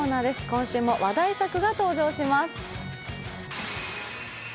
今週も話題作が登場します。